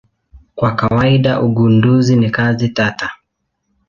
Kwa kawaida ugunduzi ni kazi tata.